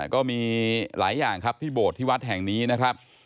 ก็มีหลายอย่างครับที่โบสถที่วัดแห่งนี้นะครับ